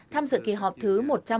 tham dự kỳ họp thứ một trăm một mươi một